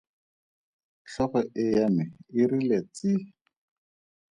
Tlhogo e ya me e rile tsi!